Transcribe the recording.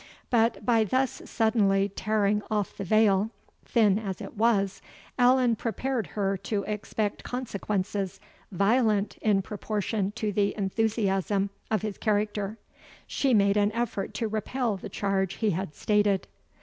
But by thus suddenly tearing off the veil, thin as it was, Allan prepared her to expect consequences violent in proportion to the enthusiasm of his character. She made an effort to repel the charge he had stated.